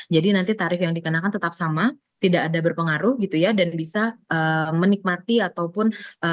jadi nanti tarif yang dikenakan tetap sama tidak ada berpengaruh gitu ya dan bisa menikmati ataupun